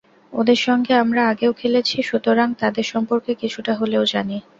ওদের সঙ্গে আমরা আগেও খেলেছি, সুতরাং তাদের সম্পর্কে কিছুটা হলেও জানি।